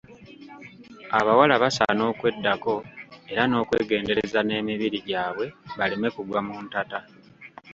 Abawala basaana okweddako era n'okwegendereza n'emibiri gy'abwe baleme kugwa mu ntata.